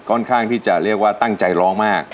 ค่อนข้างที่จะเรียกว่าตั้งใจร้องมาก